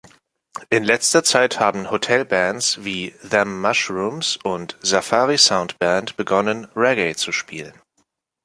In letzter Zeit haben Hotelbands wie Them Mushrooms und Safari Sound Band begonnen, Reggae zu spielen.